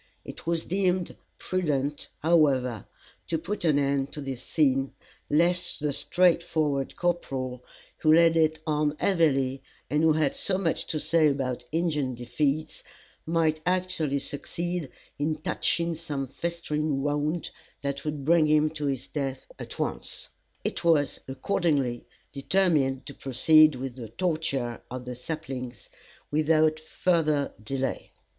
It was deemed prudent, however, to put an end to this scene, lest the straightforward corporal, who laid it on heavily, and who had so much to say about Indian defeats, might actually succeed in touching some festering wound that would bring him to his death at once. It was, accordingly, determined to proceed with the torture of the saplings without further delay.